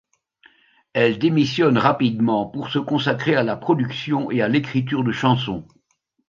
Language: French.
Elle démissionne rapidement pour se consacrer à la production et à l'écriture de chansons.